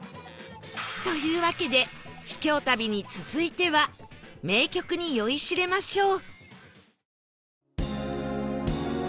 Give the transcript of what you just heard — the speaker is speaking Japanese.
というわけで秘境旅に続いては名曲に酔いしれましょう